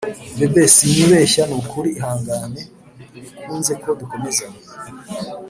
Bebe sinyibeshya nukuri ihangane ntibikunze ko dukomezanya